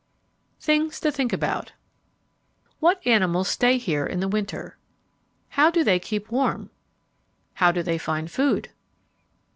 THINGS TO THINK ABOUT What animals stay here in the winter? How do they keep warm? How do they find food?